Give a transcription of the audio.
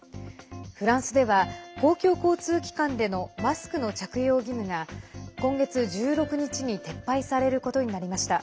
フランスでは、公共交通機関でのマスクの着用義務が今月１６日に撤廃されることになりました。